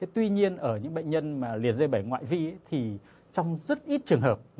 tuy nhiên ở những bệnh nhân liệt dây bảy ngoại biên thì trong rất ít trường hợp